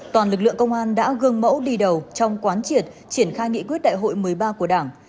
toàn lực lượng công an đã gương mẫu đi đầu trong quán triệt triển khai nghị quyết đại hội một mươi ba của đảng